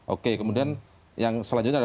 oke kemudian yang selanjutnya adalah